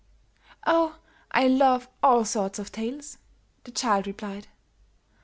"Oh, I love all sorts of tales," the child replied.